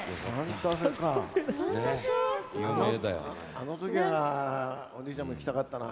あの時はおじいちゃんも行きたかったな。